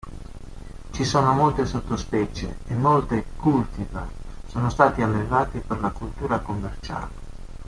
Ci sono molte sottospecie, e molte "cultivar" sono stati allevati per la orticoltura commerciale.